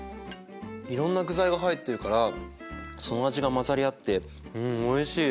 いろんな具材が入ってるからその味が混ざり合っておいしい！